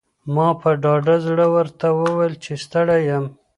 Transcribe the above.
ما په ډاډه زړه ورته وویل چې ستړی یم.